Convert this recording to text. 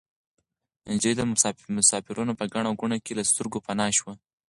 نجلۍ د مسافرانو په ګڼه ګوڼه کې له سترګو پناه شوه.